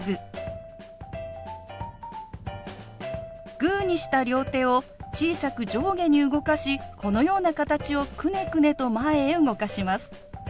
グーにした両手を小さく上下に動かしこのような形をくねくねと前へ動かします。